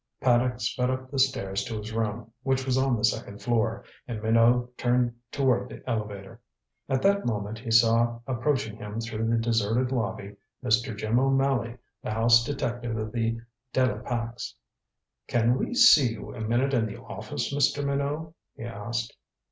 Paddock sped up the stairs to his room, which was on the second floor, and Minot turned toward the elevator. At that moment he saw approaching him through the deserted lobby Mr. Jim O'Malley, the house detective of the De la Pax. "Can we see you a minute in the office, Mr. Minot?" he asked.